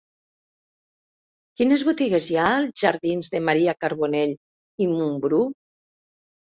Quines botigues hi ha als jardins de Maria Carbonell i Mumbrú?